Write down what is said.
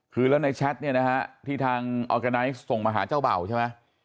คือแล้วในแชทเนี่ยนะฮะที่ทางออร์แกไนท์ส่งมาหาเจ้าเบ่าใช่ไหม